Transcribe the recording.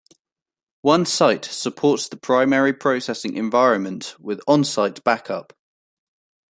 One site supports the primary processing environment with on-site backup.